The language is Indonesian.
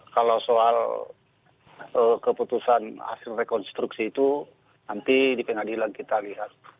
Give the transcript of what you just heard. kalau soal keputusan hasil rekonstruksi itu nanti di pengadilan kita lihat